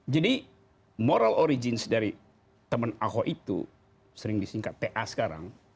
jadi moral origins dari teman ahok itu sering disingkat ta sekarang